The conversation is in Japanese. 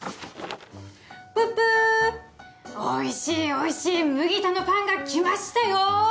「ぷっぷーおいしいおいしい麦田のパンが来ましたよー！」